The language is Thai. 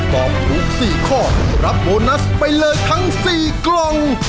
ตอบถูก๔ข้อรับโบนัสไปเลยทั้ง๔กล่อง